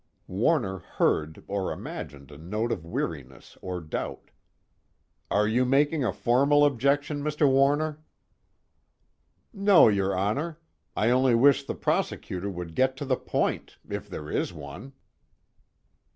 Warner heard or imagined a note of weariness or doubt. "Are you making a formal objection, Mr. Warner?" "No, your Honor. I only wish the prosecutor would get to the point, if there is one."